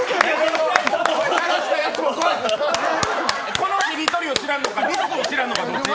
このしりとりを知らんのか、りすを知らんのか。